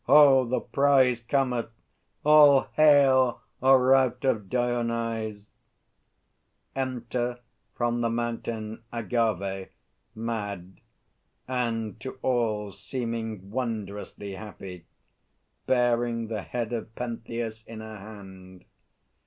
Ho, the prize Cometh! All hail, O Rout of Dionyse! [Enter from the Mountain AGAVE, mad, and to all seeming wondrously happy, bearing the head of PENTHEUS _in her hand.